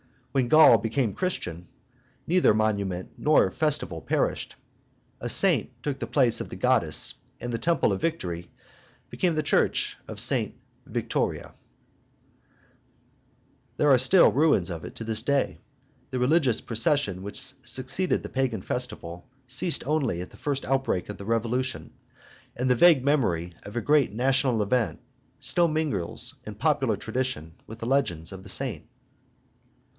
When Gaul became Christian, neither monument nor festival perished; a saint took the place of the goddess, and the temple of Victory became the church of St. Victoire. There are still ruins of it to this day; the religious procession which succeeded the pagan festival ceased only at the first outburst of the Revolution; and the vague memory of a great national event still mingles in popular tradition with the legends of the saint.